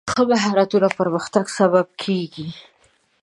ښه مهارتونه د پرمختګ سبب کېږي.